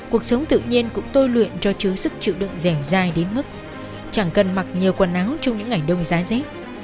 cuộc sống tự nhiên cũng tôi luyện cho chứ sức chịu đựng dẻo dài đến mức chẳng cần mặc nhiều quần áo trong những ngày đông giá dếp